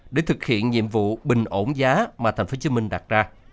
để thực hiện nhiệm vụ bình ổn giá mà tp hcm đặt ra